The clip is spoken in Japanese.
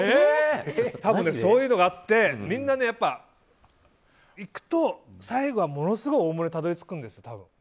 多分そういうのがあってみんな行くと最後はものすごい大物にたどり着くんです。